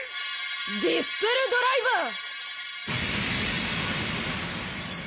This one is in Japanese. ディスペルドライバー！